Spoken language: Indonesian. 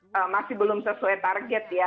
karena masih belum sesuai target ya